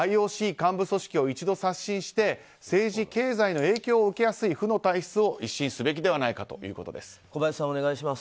ＩＯＣ幹部組織を一度刷新して政治、経済の影響を受けやすい負の体質を一新すべきではないかということです。